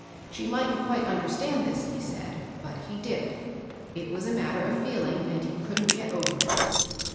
She mightn't quite understand this, he said, but he did. It was a matter of feel ing, and he couldn't get over it.